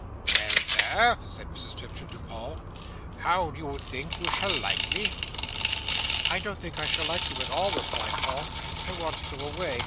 "Well, Sir," said Mrs Pipchin to Paul, "how do you think you shall like me?" "I don't think I shall like you at all," replied Paul. "I want to go away.